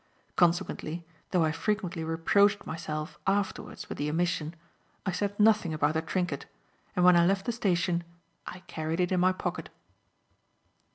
Consequently, though I frequently reproached myself afterwards with the omission, I said nothing about the trinket, and when I left the station I carried it in my pocket.